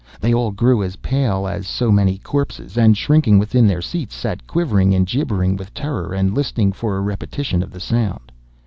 They all grew as pale as so many corpses, and, shrinking within their seats, sat quivering and gibbering with terror, and listening for a repetition of the sound.